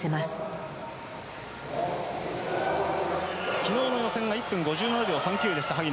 昨日の予選が１分５７秒３９でした、萩野。